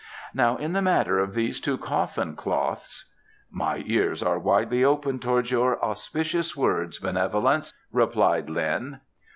Now in the matter of these two coffin cloths " "My ears are widely opened towards your auspicious words, benevolence," replied Lin.